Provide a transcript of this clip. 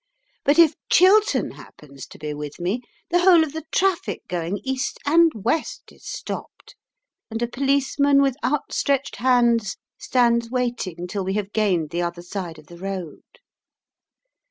But if Chiltern happens to be with me the whole of the traffic going east and west is stopped, and a policeman with outstretched hands stands waiting till we have gained the other side of the road.